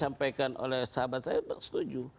kalau dipercaya oleh sahabat saya setuju